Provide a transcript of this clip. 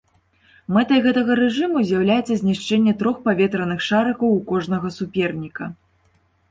Мэтай гэтага рэжыму з'яўляецца знішчэнне трох паветраных шарыкаў у кожнага суперніка.